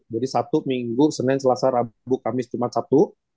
jadi sabtu minggu senin selasa rabu kamis jumat sabtu